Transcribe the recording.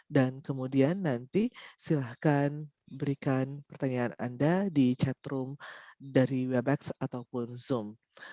dan kemudian nanti silakan berikan pertanyaan anda di chatroom dari webex ataupun zoom